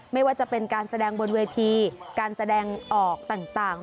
ไม่ว่าจะเป็นการแสดงบนเวทีการแสดงออกต่าง